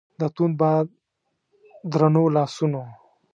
د توند باد درنو لاسونو